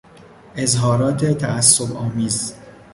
اظهارات تعصبآمیز